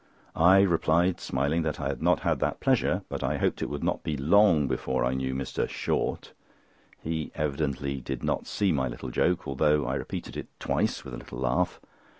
I replied, smiling, that I had not that pleasure, but I hoped it would not be long before I knew Mr. Short. He evidently did not see my little joke, although I repeated it twice with a little laugh.